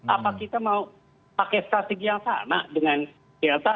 apa kita mau pakai strategi yang sama dengan delta